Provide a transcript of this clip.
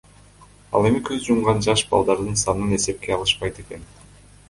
Ал эми көз жумган жаш балдардын санын эсепке алышпайт экен.